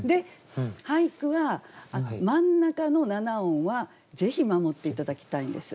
俳句は真ん中の７音はぜひ守って頂きたいんです。